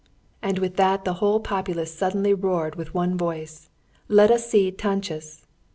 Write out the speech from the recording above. ] And with that the whole populace suddenly roared with one voice: "Let us see Táncsis!"